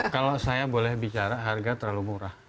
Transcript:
kalau saya boleh bicara harga terlalu murah